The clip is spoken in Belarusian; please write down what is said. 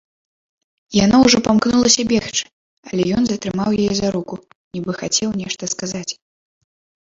Яна ўжо памкнулася бегчы, але ён затрымаў яе за руку, нібы хацеў нешта сказаць.